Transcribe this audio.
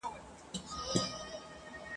اوس ئې قبر ورته جوړ کړی دئ.